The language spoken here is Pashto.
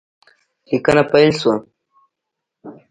لیکنه پیل شوه